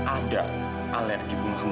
ada alergi bunga kemas